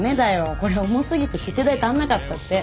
これ重すぎて切手代足んなかったって。